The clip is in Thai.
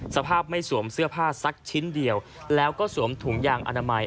สภาพไม่สวมเสื้อผ้าสักชิ้นเดียวแล้วก็สวมถุงยางอนามัย